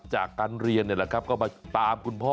จากการเรียนก็มาตามคุณพ่อ